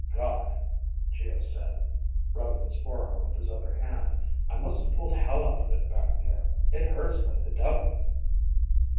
"God," Geo said, rubbing his forearm with his other hand. "I must have pulled hell out of it back there. It hurts like the devil."